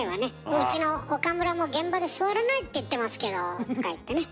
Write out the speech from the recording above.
「うちの岡村も現場で座らないって言ってますけど」とか言ってね。